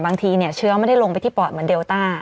บางทีเชื้อไม่ได้ลงไปที่ปอดเหมือนเดลต้า